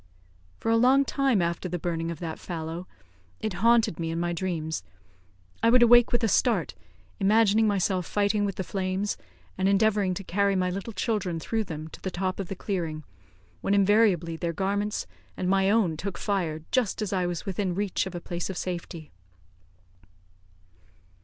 For a long time after the burning of that fallow, it haunted me in my dreams. I would awake with a start, imagining myself fighting with the flames, and endeavouring to carry my little children through them to the top of the clearing, when invariably their garments and my own took fire just as I was within reach of a place of safety.